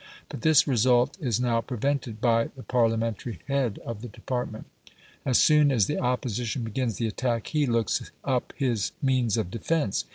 But this result is now prevented by the Parliamentary head of the department. As soon as the Opposition begins the attack, he looks up his means of defence.